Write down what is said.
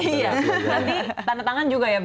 nanti tanda tangan juga ya berarti